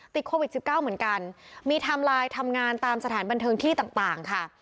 ติดโควิด๑๙เหมือนกันมีไทม์ไลน์ทำงานตามสถานบันเทิงที่ต่างค่ะ